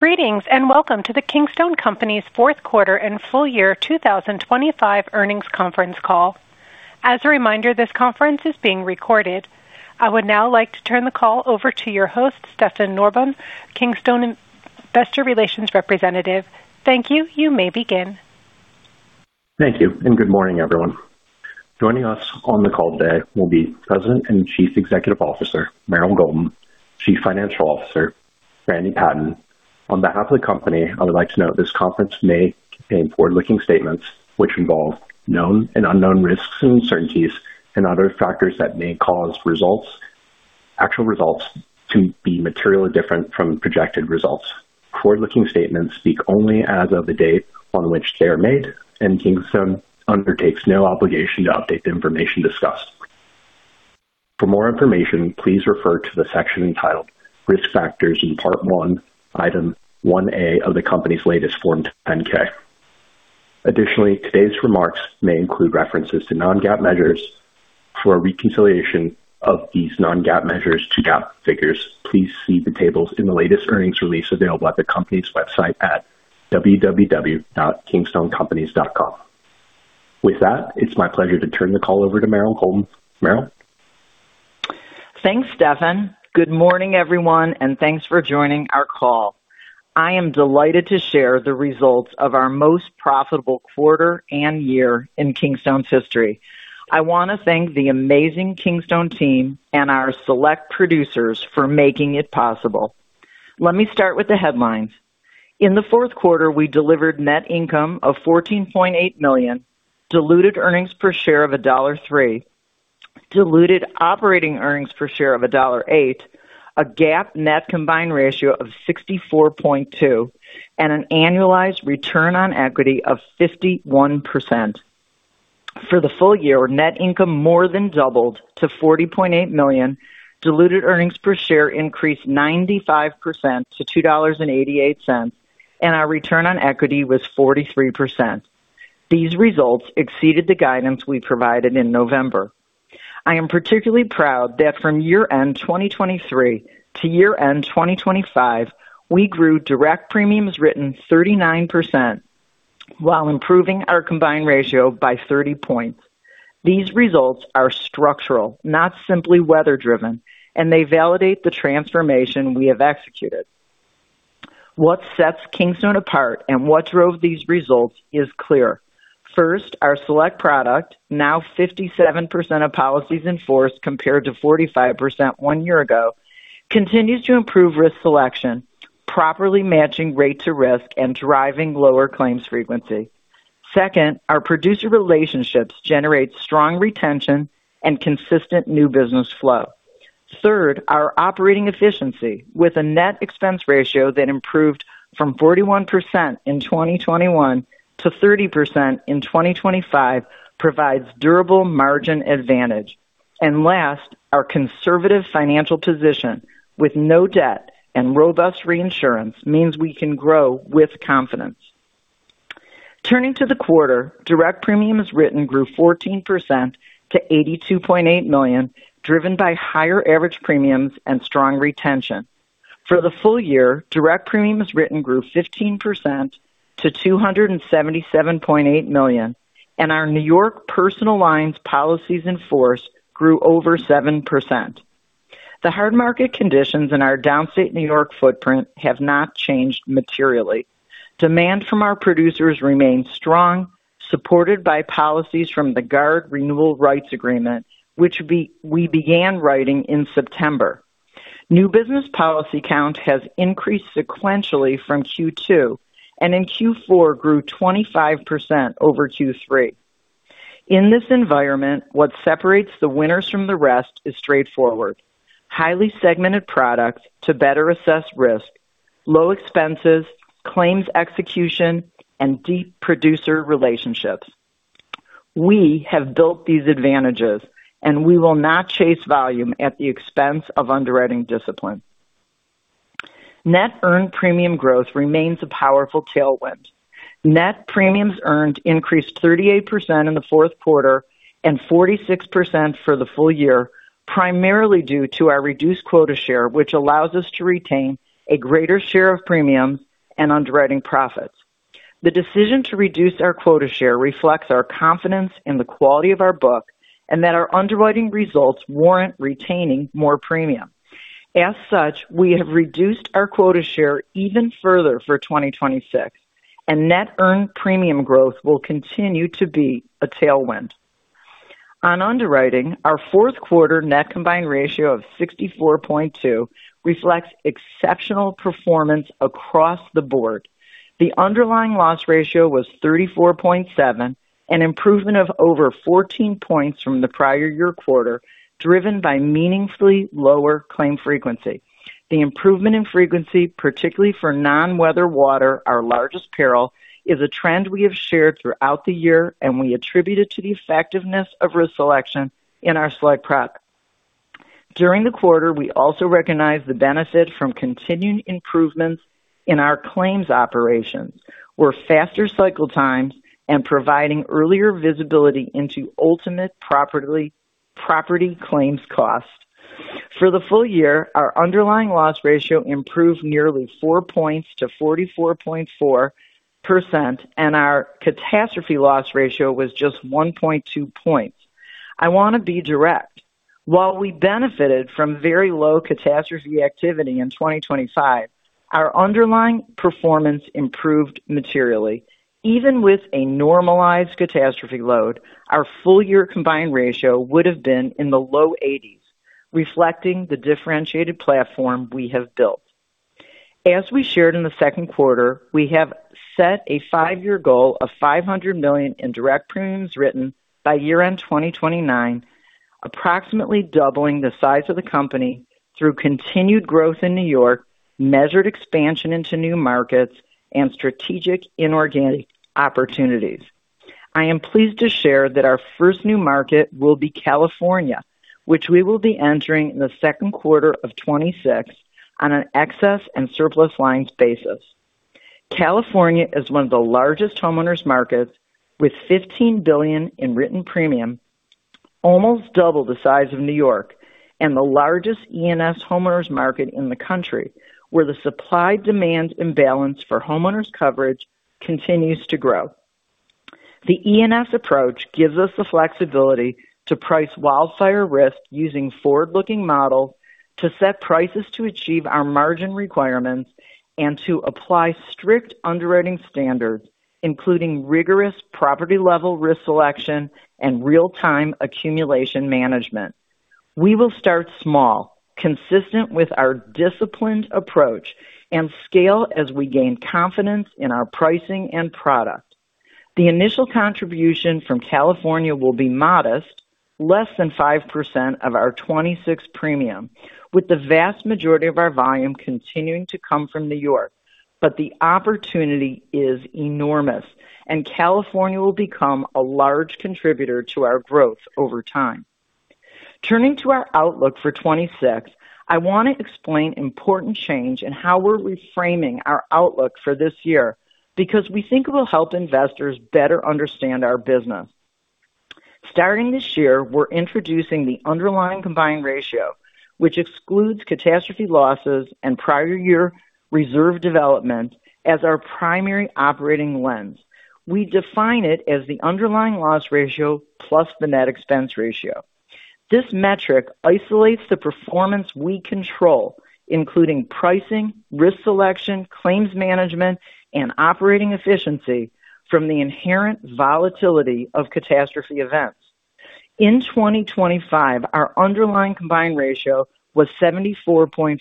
Greetings, welcome to the Kingstone Companies' fourth quarter and full year 2025 earnings conference call. As a reminder, this conference is being recorded. I would now like to turn the call over to your host, Stefan Norbom, Kingstone investor relations representative. Thank you. You may begin. Thank you and good morning, everyone. Joining us on the call today will be President and Chief Executive Officer, Meryl Golden, Chief Financial Officer, Randy Patten. On behalf of the company, I would like to note this conference may contain forward-looking statements which involve known and unknown risks and uncertainties and other factors that may cause actual results to be materially different from projected results. Forward-looking statements speak only as of the date on which they are made. Kingstone undertakes no obligation to update the information discussed. For more information, please refer to the section entitled Risk Factors in Part One, Item One A of the company's latest Form 10-K. Additionally, today's remarks may include references to non-GAAP measures. For a reconciliation of these non-GAAP measures to GAAP figures, please see the tables in the latest earnings release available at the company's website at www.kingstonecompanies.com. With that, it's my pleasure to turn the call over to Meryl Golden. Meryl. Thanks, Stefan. Good morning, everyone, thanks for joining our call. I am delighted to share the results of our most profitable quarter and year in Kingstone's history. I want to thank the amazing Kingstone team and our Select producers for making it possible. Let me start with the headlines. In the fourth quarter, we delivered net income of $14.8 million, diluted earnings per share of $1.03, diluted operating earnings per share of $1.08, a GAAP net combined ratio of 64.2%, an annualized return on equity of 51%. For the full year, net income more than doubled to $40.8 million. Diluted earnings per share increased 95% to $2.88, our return on equity was 43%. These results exceeded the guidance we provided in November. I am particularly proud that from year-end 2023 to year-end 2025, we grew direct premiums written 39% while improving our combined ratio by 30 points. These results are structural, not simply weather driven, and they validate the transformation we have executed. What sets Kingstone apart and what drove these results is clear. First, our Select product, now 57% of policies in force compared to 45% one year ago, continues to improve risk selection, properly matching rate to risk and driving lower claims frequency. Second, our producer relationships generate strong retention and consistent new business flow. Third, our operating efficiency with a net expense ratio that improved from 41% in 2021 to 30% in 2025 provides durable margin advantage. Last, our conservative financial position with no debt and robust reinsurance means we can grow with confidence. Turning to the quarter, direct premiums written grew 14% to $82.8 million, driven by higher average premiums and strong retention. For the full year, direct premiums written grew 15% to $277.8 million, and our New York personal lines policies in force grew over 7%. The hard market conditions in our downstate New York footprint have not changed materially. Demand from our producers remains strong, supported by policies from the Guard renewal rights agreement, which we began writing in September. New business policy count has increased sequentially from Q2, and in Q4 grew 25% over Q3. In this environment, what separates the winners from the rest is straightforward. Highly segmented products to better assess risk, low expenses, claims execution, and deep producer relationships. We have built these advantages, and we will not chase volume at the expense of underwriting discipline. Net earned premium growth remains a powerful tailwind. Net premiums earned increased 38% in the fourth quarter and 46% for the full year, primarily due to our reduced quota share, which allows us to retain a greater share of premiums and underwriting profits. The decision to reduce our quota share reflects our confidence in the quality of our book and that our underwriting results warrant retaining more premium. As such, we have reduced our quota share even further for 2026, and net earned premium growth will continue to be a tailwind. On underwriting, our fourth quarter net combined ratio of 64.2% reflects exceptional performance across the board. The underlying loss ratio was 34.7, an improvement of over 14 points from the prior year quarter, driven by meaningfully lower claim frequency. The improvement in frequency, particularly for non-weather water, our largest peril, is a trend we have shared throughout the year, and we attribute it to the effectiveness of risk selection in our Select product. During the quarter, we also recognized the benefit from continued improvements in our claims operations, where faster cycle times and providing earlier visibility into ultimate property claims costs. For the full year, our underlying loss ratio improved nearly 4 points to 44.4%, and our catastrophe loss ratio was just 1.2 points. I want to be direct. While we benefited from very low catastrophe activity in 2025, our underlying performance improved materially. Even with a normalized catastrophe load, our full year combined ratio would have been in the low 80s, reflecting the differentiated platform we have built. As we shared in the second quarter, we have set a five-year goal of $500 million in direct premiums written by year-end 2029, approximately doubling the size of the company through continued growth in New York, measured expansion into new markets and strategic inorganic opportunities. I am pleased to share that our first new market will be California, which we will be entering in the second quarter of 2026 on an excess and surplus lines basis. California is one of the largest homeowners markets with $15 billion in written premium, almost double the size of New York and the largest E&S homeowners market in the country, where the supply-demand imbalance for homeowners coverage continues to grow. The E&S approach gives us the flexibility to price wildfire risk using forward-looking models to set prices to achieve our margin requirements and to apply strict underwriting standards, including rigorous property level risk selection and real-time accumulation management. We will start small, consistent with our disciplined approach and scale as we gain confidence in our pricing and product. The initial contribution from California will be modest, less than 5% of our 2026 premium, with the vast majority of our volume continuing to come from New York. The opportunity is enormous, and California will become a large contributor to our growth over time. Turning to our outlook for 2026, I want to explain important change in how we're reframing our outlook for this year because we think it will help investors better understand our business. Starting this year, we're introducing the underlying combined ratio, which excludes catastrophe losses and prior year reserve development as our primary operating lens. We define it as the underlying loss ratio plus the net expense ratio. This metric isolates the performance we control, including pricing, risk selection, claims management, and operating efficiency from the inherent volatility of catastrophe events. In 2025, our underlying combined ratio was 74.4,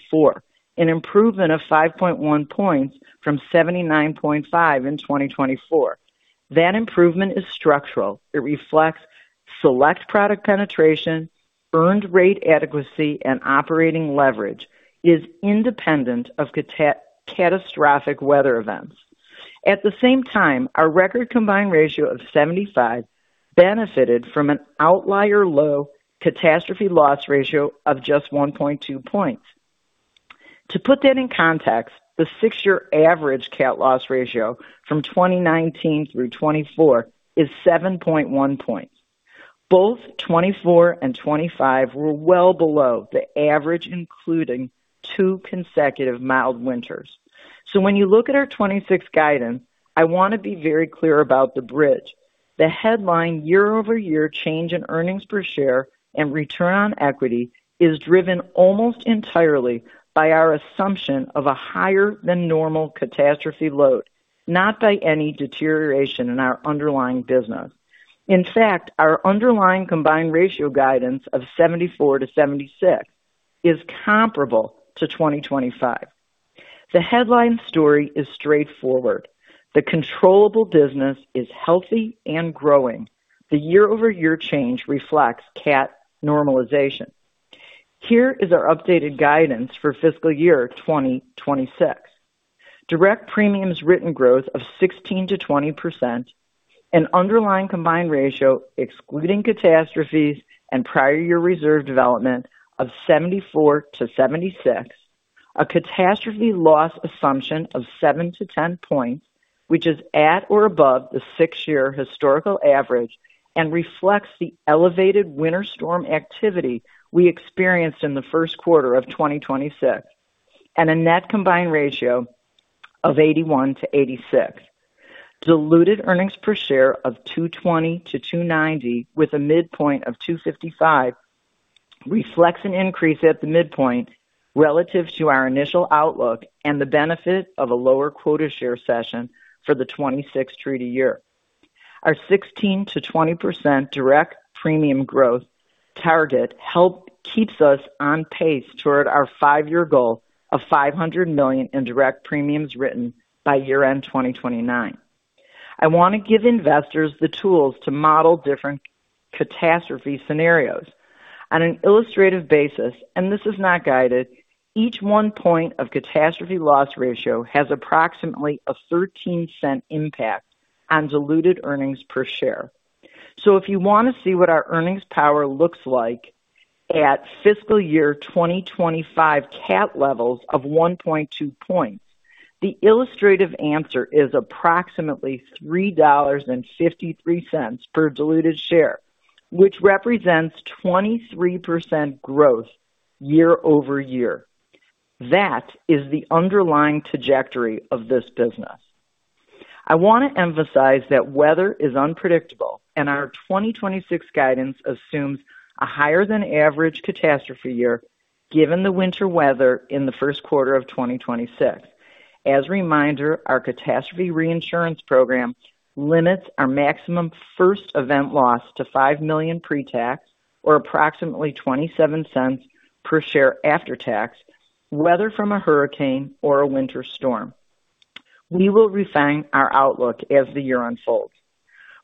an improvement of 5.1 points from 79.5 in 2024. That improvement is structural. It reflects Select product penetration, earned rate adequacy, and operating leverage is independent of catastrophic weather events. At the same time, our record combined ratio of 75 benefited from an outlier low catastrophe loss ratio of just 1.2 points. To put that in context, the 6-year average cat loss ratio from 2019 through 2024 is 7.1 points. Both 24 and 25 were well below the average, including two consecutive mild winters. When you look at our 26 guidance, I want to be very clear about the bridge. The headline year-over-year change in earnings per share and return on equity is driven almost entirely by our assumption of a higher than normal catastrophe load, not by any deterioration in our underlying business. In fact, our underlying combined ratio guidance of 74%-76% is comparable to 2025. The headline story is straightforward. The controllable business is healthy and growing. The year-over-year change reflects CAT normalization. Here is our updated guidance for fiscal year 2026. Direct premiums written growth of 16%-20%. An underlying combined ratio excluding catastrophes and prior year reserve development of 74%-76%. A catastrophe loss assumption of seven to 10 points, which is at or above the 6-year historical average and reflects the elevated winter storm activity we experienced in the first quarter of 2026. A net combined ratio of 81%-86%. Diluted earnings per share of $2.20-$2.90, with a midpoint of $2.55, reflects an increase at the midpoint relative to our initial outlook and the benefit of a lower quota share cession for the 2026 treaty year. Our 16%-20% direct premium growth target help keeps us on pace toward our 5-year goal of $500 million in direct premiums written by year-end 2029. I want to give investors the tools to model different catastrophe scenarios on an illustrative basis. This is not guided. Each one point of catastrophe loss ratio has approximately a $0.13 impact on diluted earnings per share. If you want to see what our earnings power looks like at fiscal year 2025 CAT levels of 1.2 points, the illustrative answer is approximately $3.53 per diluted share, which represents 23% growth year-over-year. That is the underlying trajectory of this business. I want to emphasize that weather is unpredictable and our 2026 guidance assumes a higher than average catastrophe year, given the winter weather in the first quarter of 2026. As a reminder, our catastrophe reinsurance program limits our maximum first event loss to $5 million pre-tax or approximately $0.27 per share after tax, whether from a hurricane or a winter storm. We will refine our outlook as the year unfolds.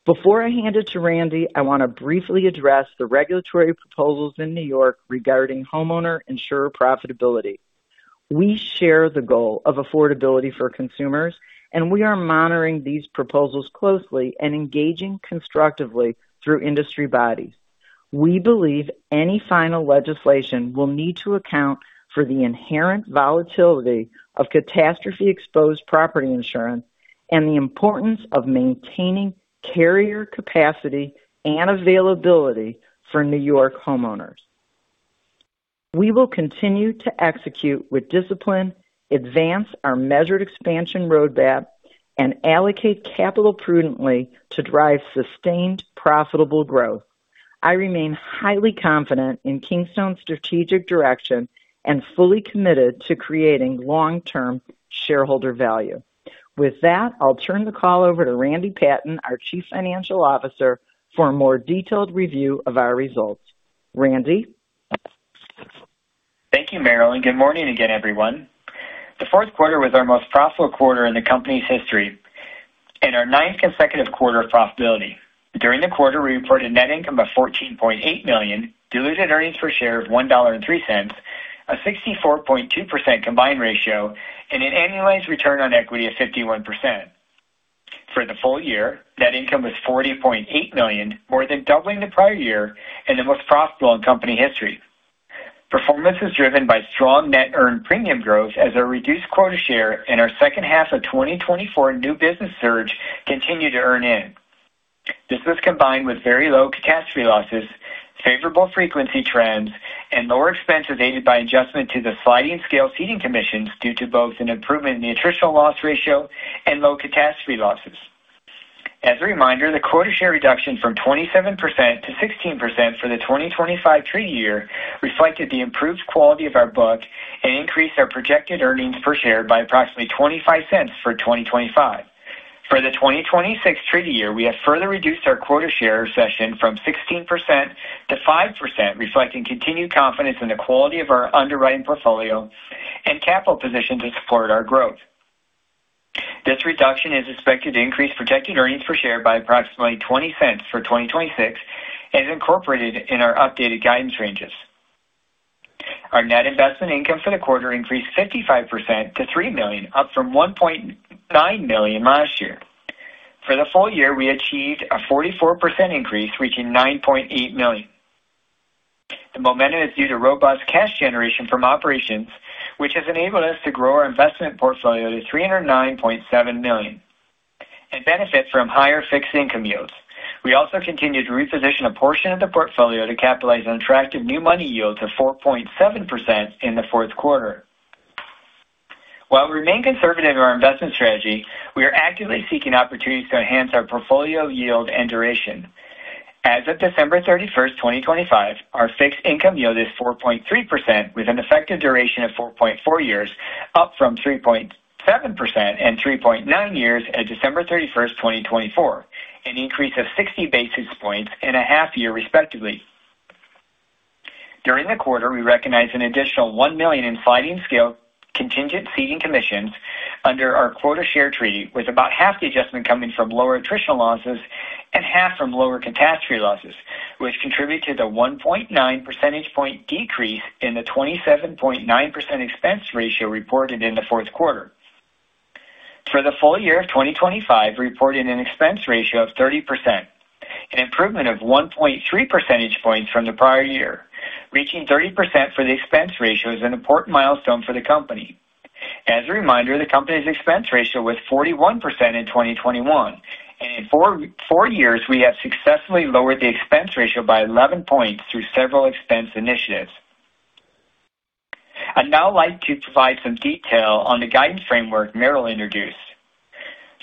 Before I hand it to Randy, I want to briefly address the regulatory proposals in New York regarding homeowner insurer profitability. We share the goal of affordability for consumers, and we are monitoring these proposals closely and engaging constructively through industry bodies. We believe any final legislation will need to account for the inherent volatility of catastrophe exposed property insurance and the importance of maintaining carrier capacity and availability for New York homeowners. We will continue to execute with discipline, advance our measured expansion roadmap and allocate capital prudently to drive sustained profitable growth. I remain highly confident in Kingstone's strategic direction and fully committed to creating long-term shareholder value. With that, I'll turn the call over to Randy Patten, our Chief Financial Officer, for a more detailed review of our results. Randy? Thank you, Meryl. Good morning again, everyone. The fourth quarter was our most profitable quarter in the company's history and our ninth consecutive quarter of profitability. During the quarter, we reported net income of $14.8 million, diluted earnings per share of $1.03, a 64.2% combined ratio and an annualized return on equity of 51%. For the full year, net income was $40.8 million, more than doubling the prior year, and the most profitable in company history. Performance is driven by strong net earned premium growth as our reduced quota share in our second half of 2024 new business surge continued to earn in. This was combined with very low catastrophe losses, favorable frequency trends and lower expenses aided by adjustment to the sliding-scale ceding commissions due to both an improvement in the attritional loss ratio and low catastrophe losses. As a reminder, the quota share reduction from 27% to 16% for the 2025 treaty year reflected the improved quality of our book and increased our projected earnings per share by approximately $0.25 for 2025. For the 2026 treaty year, we have further reduced our quota share cession from 16% to 5%, reflecting continued confidence in the quality of our underwriting portfolio and capital position to support our growth. This reduction is expected to increase projected earnings per share by approximately $0.20 for 2026 and is incorporated in our updated guidance ranges. Our net investment income for the quarter increased 55% to $3 million, up from $1.9 million last year. For the full year, we achieved a 44% increase, reaching $9.8 million. The momentum is due to robust cash generation from operations, which has enabled us to grow our investment portfolio to $309.7 million and benefit from higher fixed income yields. We also continue to reposition a portion of the portfolio to capitalize on attractive new money yields of 4.7% in the fourth quarter. While we remain conservative in our investment strategy, we are actively seeking opportunities to enhance our portfolio yield and duration. As of December 31, 2025, our fixed income yield is 4.3%, with an effective duration of 4.4 years, up from 3.7% and 3.9 years at December 31, 2024, an increase of 60 basis points in a half year, respectively. During the quarter, we recognized an additional $1 million in sliding-scale contingent ceding commissions under our quota share treaty, with about half the adjustment coming from lower attritional losses and half from lower catastrophe losses, which contribute to the 1.9 percentage point decrease in the 27.9% expense ratio reported in the fourth quarter. For the full year of 2025, we reported an expense ratio of 30%, an improvement of 1.3 percentage points from the prior year. Reaching 30% for the expense ratio is an important milestone for the company. As a reminder, the company's expense ratio was 41% in 2021, in four years we have successfully lowered the expense ratio by 11 points through several expense initiatives. I'd now like to provide some detail on the guidance framework Meryl introduced.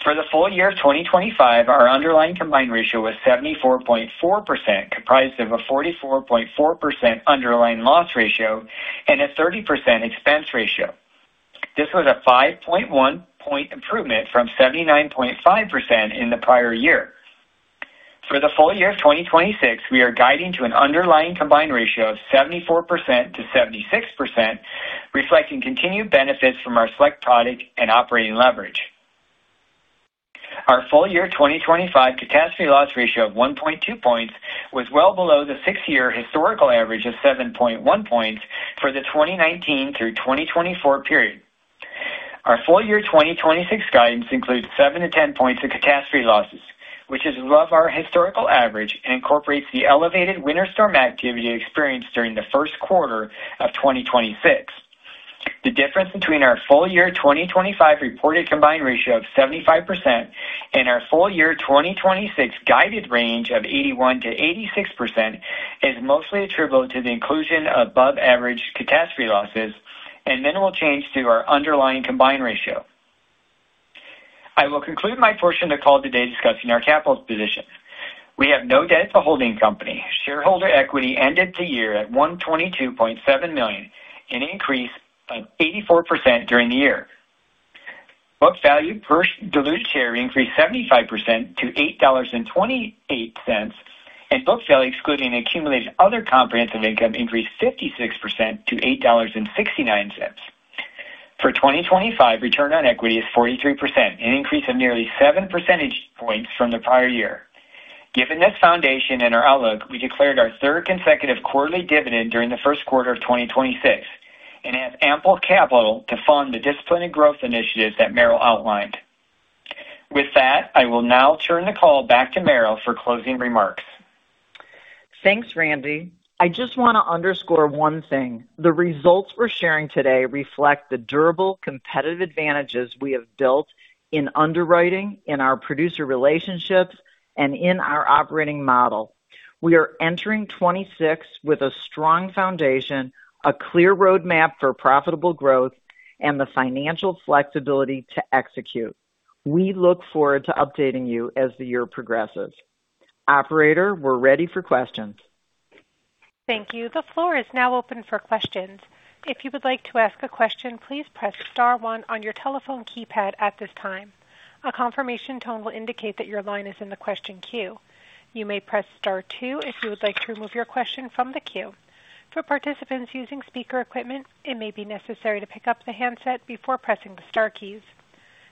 For the full year of 2025, our underlying combined ratio was 74.4%, comprised of a 44.4% underlying loss ratio and a 30% expense ratio. This was a 5.1 point improvement from 79.5% in the prior year. For the full year of 2026, we are guiding to an underlying combined ratio of 74%-76%, reflecting continued benefits from our Select product and operating leverage. Our full year 2025 catastrophe loss ratio of 1.2 points was well below the 6-year historical average of 7.1 points for the 2019-2024 period. Our full year 2026 guidance includes 7-10 points of catastrophe losses, which is above our historical average, and incorporates the elevated winter storm activity experienced during the first quarter of 2026. The difference between our full year 2025 reported combined ratio of 75% and our full year 2026 guided range of 81%-86% is mostly attributable to the inclusion of above average catastrophe losses and minimal change to our underlying combined ratio. I will conclude my portion of the call today discussing our capital position. We have no debt to holding company. Shareholder equity ended the year at $122.7 million, an increase of 84% during the year. Book value per diluted share increased 75% to $8.28, and book value, excluding accumulated other comprehensive income, increased 56% to $8.69. For 2025, return on equity is 43%, an increase of nearly 7 percentage points from the prior year. Given this foundation and our outlook, we declared our third consecutive quarterly dividend during the first quarter of 2026 and have ample capital to fund the disciplined growth initiatives that Meryl outlined. With that, I will now turn the call back to Meryl for closing remarks. Thanks, Randy. I just want to underscore one thing. The results we're sharing today reflect the durable competitive advantages we have built in underwriting, in our producer relationships, and in our operating model. We are entering 2026 with a strong foundation, a clear roadmap for profitable growth, and the financial flexibility to execute. We look forward to updating you as the year progresses. Operator, we're ready for questions. Thank you. The floor is now open for questions. If you would like to ask a question, please press star one on your telephone keypad at this time. A confirmation tone will indicate that your line is in the question queue. You may press star two if you would like to remove your question from the queue. For participants using speaker equipment, it may be necessary to pick up the handset before pressing the star keys.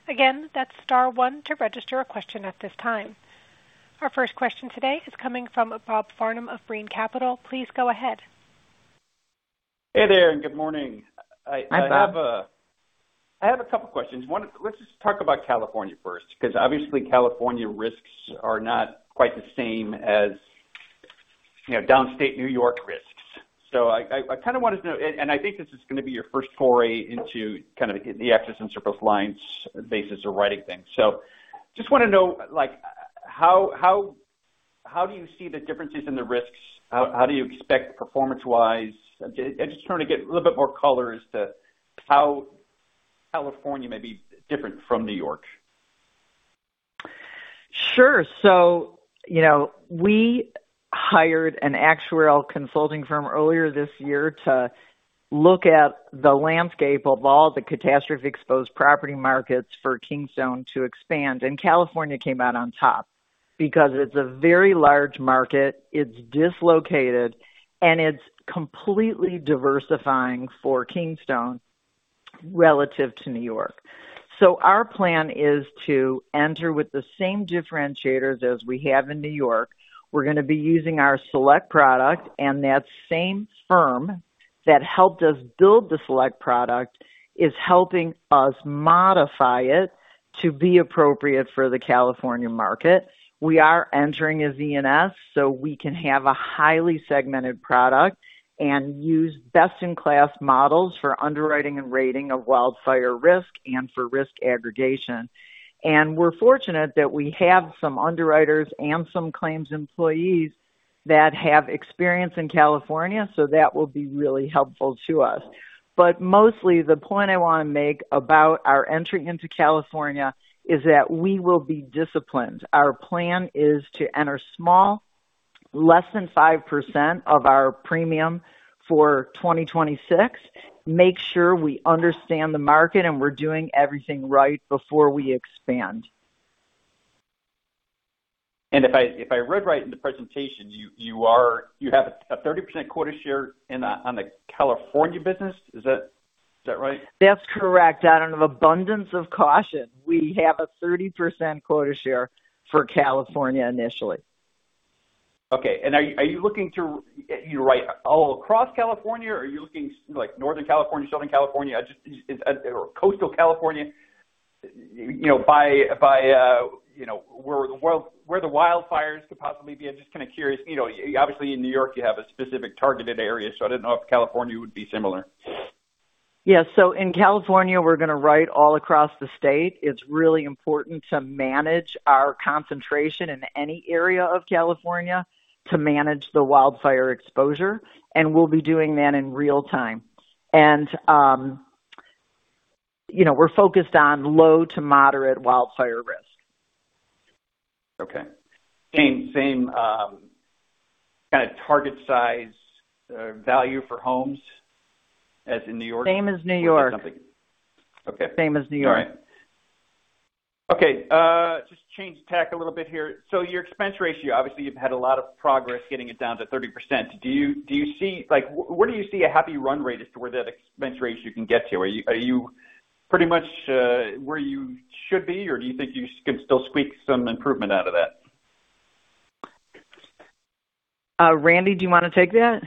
Again, that's star one to register a question at this time. Our first question today is coming from Bob Farnam of Brean Capital. Please go ahead. Hey there, and good morning. Hi, Bob. I have a couple questions. One, let's just talk about California first, because obviously California risks are not quite the same as, you know, downstate New York risks. I kind of want to know, and I think this is going to be your first foray into kind of the excess and surplus lines basis of writing things. Just want to know, like, how do you see the differences in the risks? How do you expect performance-wise? I'm just trying to get a little bit more color as to how California may be different from New York. Sure. You know, we hired an actuarial consulting firm earlier this year to look at the landscape of all the catastrophe-exposed property markets for Kingstone to expand. California came out on top because it's a very large market, it's dislocated, and it's completely diversifying for Kingstone relative to New York. Our plan is to enter with the same differentiators as we have in New York. We're going to be using our Select product, and that same firm that helped us build the Select product is helping us modify it to be appropriate for the California market. We are entering as E&S, so we can have a highly segmented product and use best-in-class models for underwriting and rating of wildfire risk and for risk aggregation. We're fortunate that we have some underwriters and some claims employees that have experience in California, so that will be really helpful to us. Mostly the point I want to make about our entry into California is that we will be disciplined. Our plan is to enter small, less than 5% of our premium for 2026, make sure we understand the market and we're doing everything right before we expand. If I read right in the presentation, you have a 30% quota share on the California business. Is that right? That's correct. Out of abundance of caution, we have a 30% quota share for California initially. Okay. Are you looking to, you know, write all across California or are you looking like Northern California, Southern California, or coastal California, you know, by, you know, where the wildfires could possibly be? I'm just kind of curious. Obviously in New York, you have a specific targeted area, so I didn't know if California would be similar. Yeah. In California, we're going to write all across the state. It's really important to manage our concentration in any area of California to manage the wildfire exposure, and we'll be doing that in real time. You know, we're focused on low to moderate wildfire risk. Okay. Same kind of target size or value for homes as in New York? Same as New York. Okay. Same as New York. All right. Okay. Just change tack a little bit here. Your expense ratio, obviously, you've had a lot of progress getting it down to 30%. Do you see, like, where do you see a happy run rate as to where that expense ratio can get to? Are you pretty much where you should be, or do you think you can still squeak some improvement out of that? Randy, do you want to take that?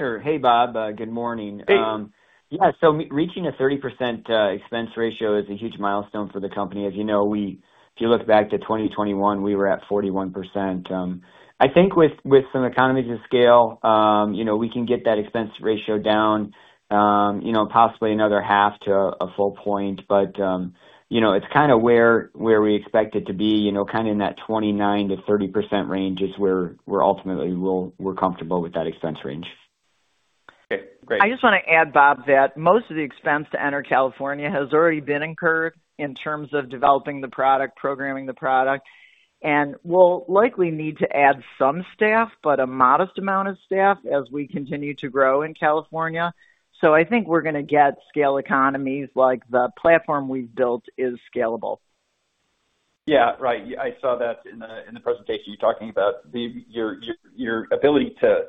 Sure. Hey, Bob. Good morning. Hey. Yeah, reaching a 30% expense ratio is a huge milestone for the company. As you know, we, if you look back to 2021, we were at 41%. I think with some economies of scale, you know, we can get that expense ratio down, you know, possibly another half to a full point. You know, it's kinda where we expect it to be, you know, kinda in that 29%-30% range is where we're ultimately we're comfortable with that expense range. Okay, great. I just wanna add, Bob, that most of the expense to enter California has already been incurred in terms of developing the product, programming the product. We'll likely need to add some staff, but a modest amount of staff as we continue to grow in California. I think we're gonna get scale economies, like the platform we've built is scalable. Yeah, right. I saw that in the, in the presentation. You're talking about the, your ability to scale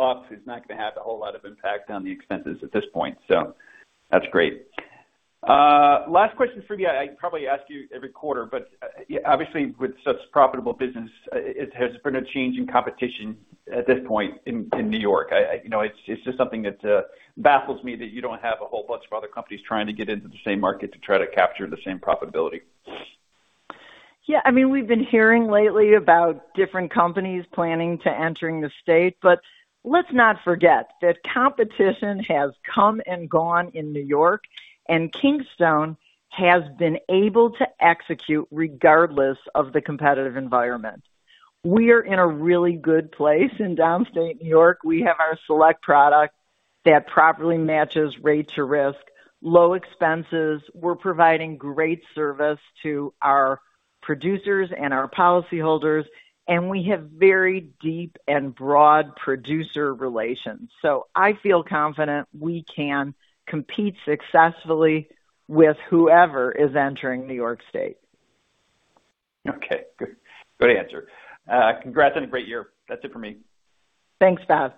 up is not gonna have a whole lot of impact on the expenses at this point. That's great. Last question for you. I probably ask you every quarter, obviously with such profitable business, it has been a change in competition at this point in New York. You know, it's just something that baffles me that you don't have a whole bunch of other companies trying to get into the same market to try to capture the same profitability. Yeah, I mean, we've been hearing lately about different companies planning to entering the state. Let's not forget that competition has come and gone in New York. Kingstone has been able to execute regardless of the competitive environment. We are in a really good place in downstate New York. We have our Select product that properly matches rate to risk, low expenses. We're providing great service to our producers and our policyholders. We have very deep and broad producer relations. I feel confident we can compete successfully with whoever is entering New York State. Okay, good. Good answer. Congrats on a great year. That's it for me. Thanks, Bob.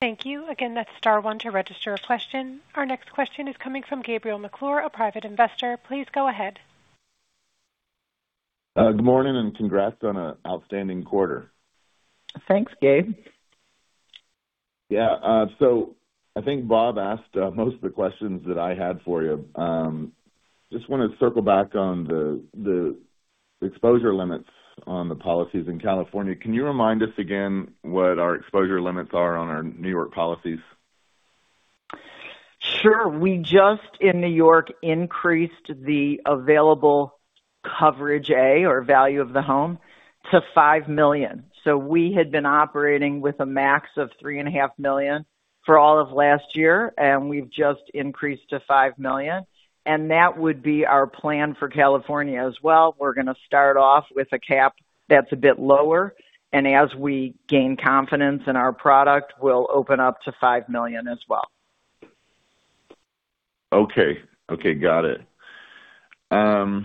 Thank you. Again, that's star one to register a question. Our next question is coming from Gabriel McClure, a private investor. Please go ahead. good morning and congrats on an outstanding quarter. Thanks, Gabe. I think Bob asked most of the questions that I had for you. Just wanna circle back on the exposure limits on the policies in California. Can you remind us again what our exposure limits are on our New York policies? Sure. We just in New York increased the available Coverage A or value of the home to $5 million. We had been operating with a max of $3.5 million for all of last year, and we've just increased to $5 million. That would be our plan for California as well. We're gonna start off with a cap that's a bit lower, and as we gain confidence in our product, we'll open up to $5 million as well. Okay. Okay. Got it. I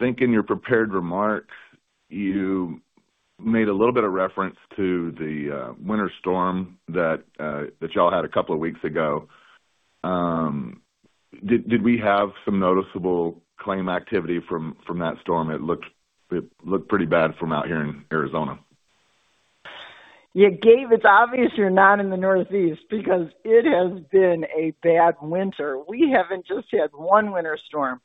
think in your prepared remarks, you made a little bit of reference to the winter storm that y'all had a couple of weeks ago. Did we have some noticeable claim activity from that storm? It looked pretty bad from out here in Arizona. Yeah, Gabe, it's obvious you're not in the Northeast because it has been a bad winter. We haven't just had one winter storm.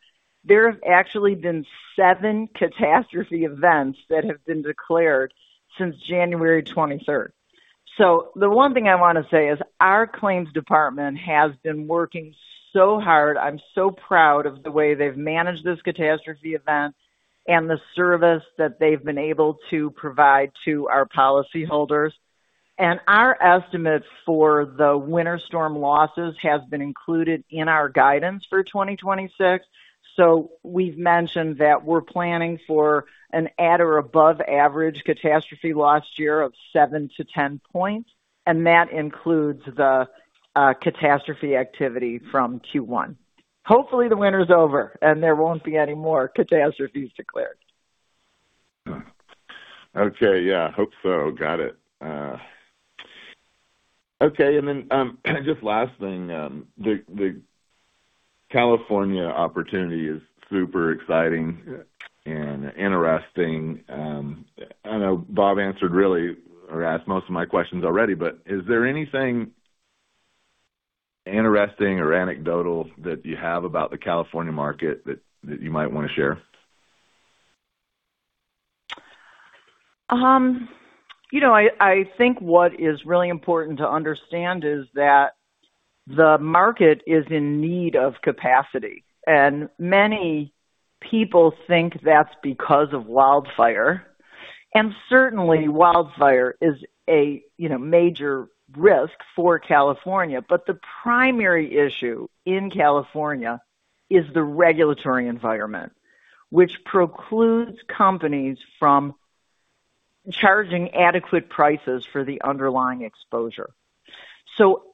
There have actually been seven catastrophe events that have been declared since January 23rd. The one thing I wanna say is our claims department has been working so hard. I'm so proud of the way they've managed this catastrophe event and the service that they've been able to provide to our policyholders. Our estimate for the winter storm losses has been included in our guidance for 2026. We've mentioned that we're planning for an at or above average catastrophe last year of 7-10 points, and that includes the catastrophe activity from Q1. Hopefully, the winter is over and there won't be any more catastrophes declared. Okay. Yeah, hope so. Got it. Okay. Just last thing. The California opportunity is super exciting and interesting. I know Bob answered really or asked most of my questions already, but is there anything interesting or anecdotal that you have about the California market that you might wanna share? You know, I think what is really important to understand is that the market is in need of capacity, and many people think that's because of wildfire. Certainly wildfire is a, you know, major risk for California. The primary issue in California is the regulatory environment, which precludes companies from charging adequate prices for the underlying exposure.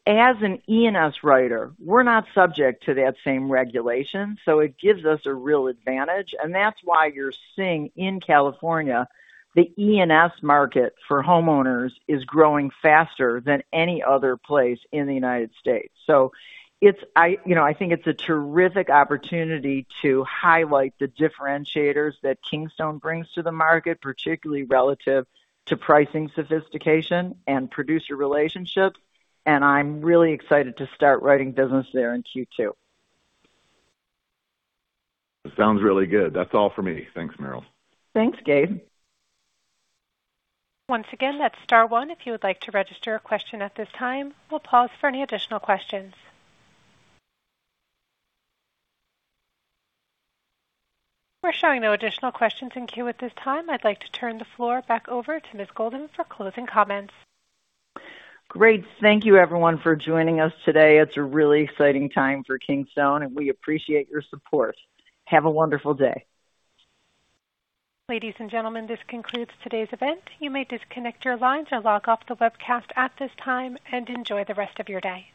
As an E&S writer, we're not subject to that same regulation, so it gives us a real advantage, and that's why you're seeing in California the E&S market for homeowners is growing faster than any other place in the United States. It's, I, you know, I think it's a terrific opportunity to highlight the differentiators that Kingstone brings to the market, particularly relative to pricing sophistication and producer relationships, and I'm really excited to start writing business there in Q2. It sounds really good. That's all for me. Thanks, Meryl. Thanks, Gabe. Once again, that's star one if you would like to register a question at this time. We'll pause for any additional questions. We're showing no additional questions in queue at this time. I'd like to turn the floor back over to Ms. Golden for closing comments. Great. Thank you everyone for joining us today. It's a really exciting time for Kingstone, and we appreciate your support. Have a wonderful day. Ladies and gentlemen, this concludes today's event. You may disconnect your lines or log off the webcast at this time and enjoy the rest of your day.